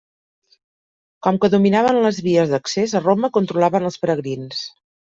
Com que dominaven les vies d'accés a Roma controlaven als peregrins.